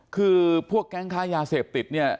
คือพวกแก๊งค้ายาเสพติดเนี่ย